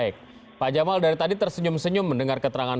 baik pak jamal dari tadi tersenyum senyum mendengar keterangan